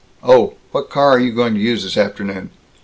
Oh! What car are you going to use this afternoon?